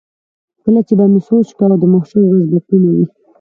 کله چې به مې سوچ کاوه د محشر ورځ به کومه وي.